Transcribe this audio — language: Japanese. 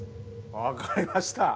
分かりました。